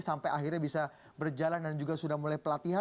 sampai akhirnya bisa berjalan dan juga sudah mulai pelatihan